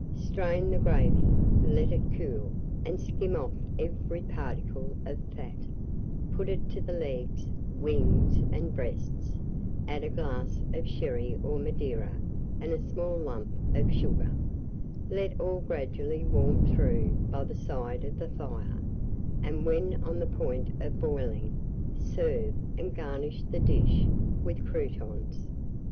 Strain the gravy, let it cool, and skim off every particle of fat; put it to the legs, wings, and breasts, add a glass of sherry or Madeira and a small lump of sugar, let all gradually warm through by the side of the fire, and when on the point of boiling, serve, and garnish the dish with croûtons.